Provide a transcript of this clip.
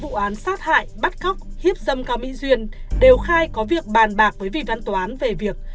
vụ án sát hại bắt cóc hiếp dâm cao mỹ duyên đều khai có việc bàn bạc với vị văn toán về việc